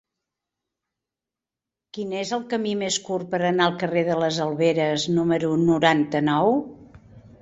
Quin és el camí més curt per anar al carrer de les Alberes número noranta-nou?